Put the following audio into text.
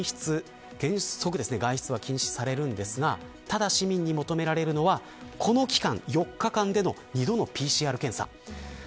原則、外出が禁止されるんですがただ、市民に求められるのはこの期間４日間での２度のＰＣＲ検査。